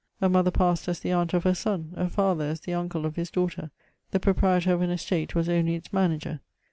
A mother passed as the aunt of her son ; a father as the uncle of his daughter; the proprietor of an estate was only its manager.